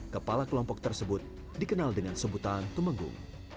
kepala kelompok tersebut dikenal dengan sebutan temenggung